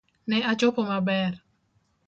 Ne achopo maber